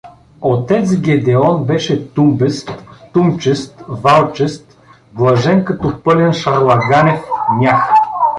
Отец Гедеон беше тумбест, тумчест, валчест, блажен като пълен шарлаганев мях.